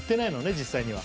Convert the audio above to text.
実際には。